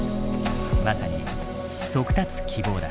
まさに「速達希望」だ。